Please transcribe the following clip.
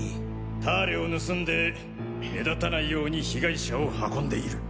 ターレを盗んで目立たないように被害者を運んでいる。